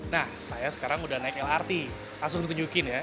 nah saya sekarang sudah naik lrt langsung ditunjukkan ya